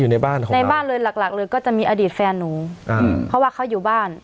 ในบ้านหลักเลยก็จะมีอดีตแฟนหนูเพราะว่าเขาอยู่บ้าน